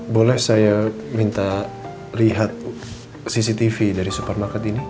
boleh saya minta lihat cctv dari supermarket ini